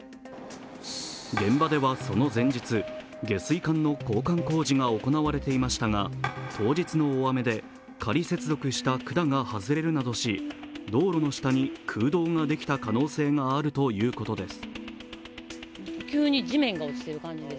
現場ではその前日、下水管の交換工事が行われていましたが、当日の大雨で仮接続した管が外れるなどし道路の下に空洞ができた可能性があるということです。